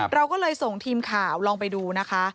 เราก็เลยส่งทีมข่าวลองไปดูนะคะ